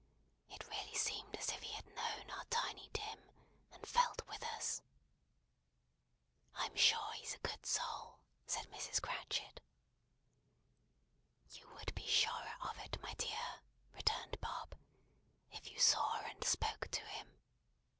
It really seemed as if he had known our Tiny Tim, and felt with us." "I'm sure he's a good soul!" said Mrs. Cratchit. "You would be surer of it, my dear," returned Bob, "if you saw and spoke to him.